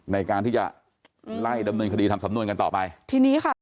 ในการที่จะไล่ดำเนินคดีทำสำนวนกันต่อไปทีนี้ค่ะ